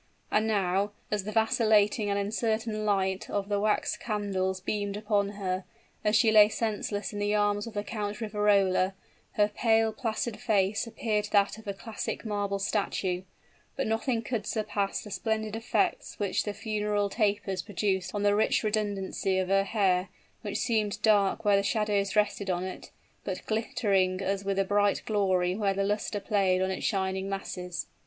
And now, as the vacillating and uncertain light of the wax candles beamed upon her, as she lay senseless in the arms of the Count Riverola, her pale, placid face appeared that of a classic marble statue; but nothing could surpass the splendid effects which the funeral tapers produced on the rich redundancy of her hair, which seemed dark where the shadows rested on it, but glittering as with a bright glory where the luster played on its shining masses.